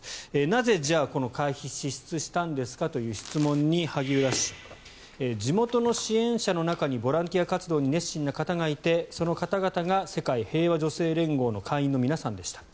なぜ、この会費を支出したんですかという質問に萩生田氏は地元の支援者の中にボランティア活動に熱心な方がいてその方々が世界平和女性連合の会員の皆さんでした。